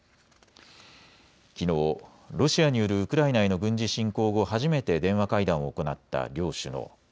きのう、ロシアによるウクライナへの軍事侵攻後初めて電話会談を行った両首脳。